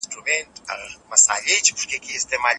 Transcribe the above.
نه یو غزله جانانه سته زه به چیري ځمه